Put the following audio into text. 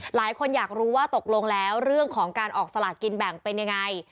หลายคนอยากรู้ว่าตกลงแล้วเรื่องของการออกสลากกินแบ่งเป็นยังไง